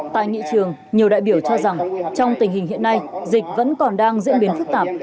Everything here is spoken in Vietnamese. tại nghị trường nhiều đại biểu cho rằng trong tình hình hiện nay dịch vẫn còn đang diễn biến phức tạp